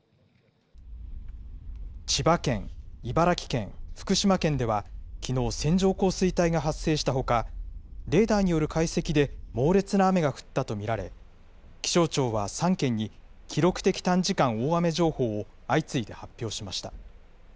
千葉県、茨城県、福島県ではきのう、線状降水帯が発生したほか、レーダーによる解析で猛烈な雨が降ったと見られ、気象庁は３県に記録的短時間大雨情報を相次いで発表しました。